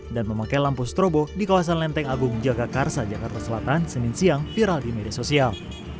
dan memakai lampu strobo di kawasan lenteng agung jagakarsa jakarta selatan senin siang viral di media sosial